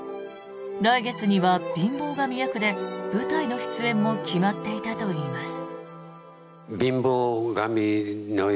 来月には貧乏神役で舞台の出演も決まっていたといいます。